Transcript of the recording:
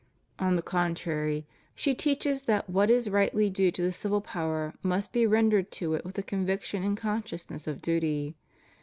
On the contrary, she teaches that what is rightly due to the civil power must be rendered to it with a conviction and consciousness of duty.